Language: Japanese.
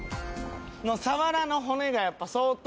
サワラの骨がやっぱ相当。